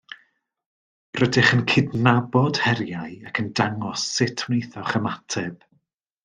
Rydych yn cydnabod heriau ac yn dangos sut wnaethoch ymateb